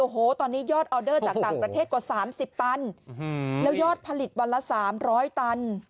โอ้โหตอนนี้ยอดออเดอร์จากต่างประเทศกว่า๓๐ตันแล้วยอดผลิตวันละ๓๐๐ตัน